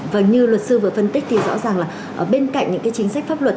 vâng như luật sư vừa phân tích thì rõ ràng là bên cạnh những cái chính sách pháp luật